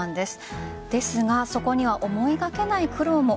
ですがそこには思いがけない苦労も。